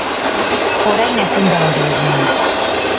Orain ezin da hori egin.